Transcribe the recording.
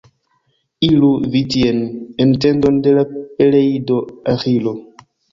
Iru vi tien, en tendon de la Peleido Aĥilo.